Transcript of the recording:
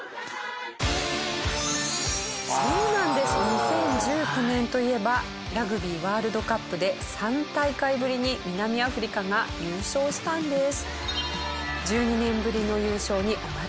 ２０１９年といえばラグビーワールドカップで３大会ぶりに南アフリカが優勝したんです。